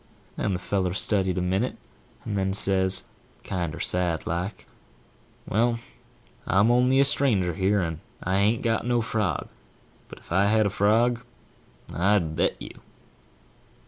div> And the feller studied a minute, and then says, kinder sad like, "Well, I'm only a stranger here, and I an't got no frog; but if I had a frog, I'd bet you."